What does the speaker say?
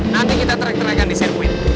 nanti kita track track di sirkuit